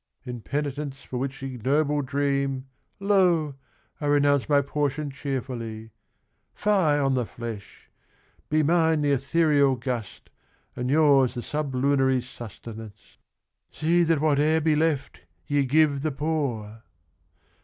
In penitence for which ignoble dream, Lo, I renounce my portion cheerfully ! Fie on the flesh — be mine the ethereal gust, And yours the sublunary sustenance ! See that whate'er be left ye give the poor